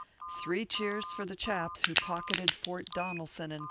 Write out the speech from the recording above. Three cheers for the chaps who pocketed Fort Donelson & Co.